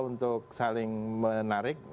untuk saling menarik